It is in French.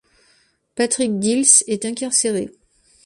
Patrick Dils est incarcéré.